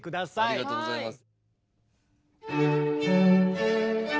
ありがとうございます。